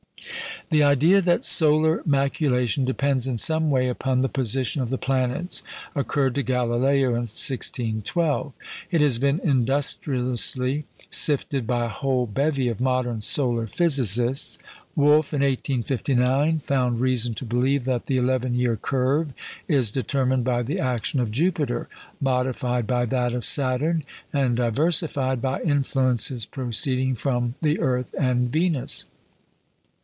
The idea that solar maculation depends in some way upon the position of the planets occurred to Galileo in 1612. It has been industriously sifted by a whole bevy of modern solar physicists. Wolf in 1859 found reason to believe that the eleven year curve is determined by the action of Jupiter, modified by that of Saturn, and diversified by influences proceeding from the earth and Venus.